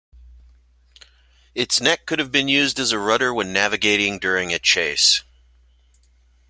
Its neck could have been used as a rudder when navigating during a chase.